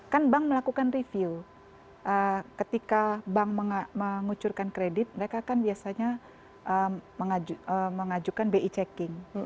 kan bank melakukan review ketika bank mengucurkan kredit mereka kan biasanya mengajukan bi checking